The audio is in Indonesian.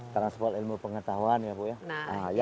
transport ilmu pengetahuan ya bu ya